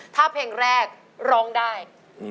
ถ้าเพลงแรกร้องได้